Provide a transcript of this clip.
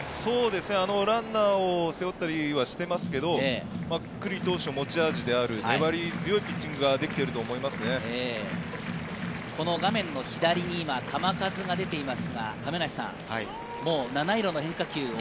ランナーを背負ったりはしていますが、九里投手の持ち味である粘り強いピッチングができていると思いま画面の左に球数が出ています。